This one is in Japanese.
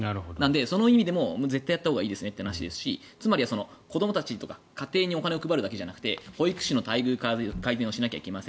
その意味でも絶対にやったほうがいいですよねという話ですしつまりは子どもたちとか家庭にお金を配るだけじゃなくて保育士の待遇改善をしなければいけません